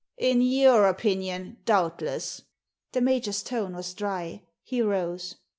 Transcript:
In your opinion, doubtless." The major's tone was dry. He rose.